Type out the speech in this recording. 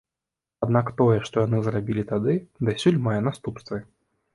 Аднак тое, што яны зрабілі тады, дасюль мае наступствы.